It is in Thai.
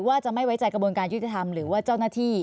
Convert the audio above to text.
ว่าจะไม่ไว้ใจกระบวนการยุติธรรมหรือว่าเจ้าหน้าที่